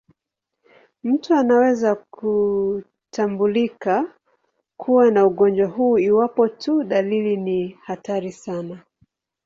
Mtu anaweza kutambulika kuwa na ugonjwa huu iwapo tu dalili ni hatari sana.